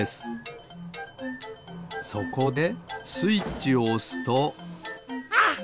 そこでスイッチをおすとあっ！